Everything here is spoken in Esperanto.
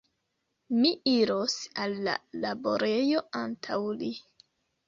Mi iros al la laborejo antaŭ li.